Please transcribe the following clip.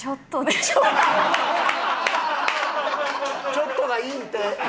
ちょっとがいいんて。